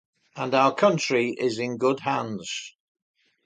And our country is in good hands.